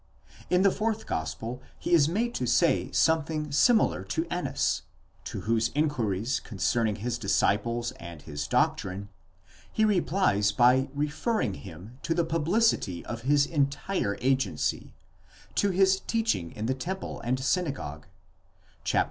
In the fourth gospel, he is made to say 'something similar to Annas, to whose inquiries concerning his disciples and his doctrine, he replies by referring him to the publicity of his entire agency, to his teaching in the temple and synagogue (xviii.